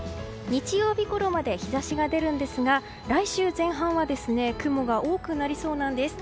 日曜日ごろまで日差しが出るんですが来週前半は雲が多くなりそうなんです。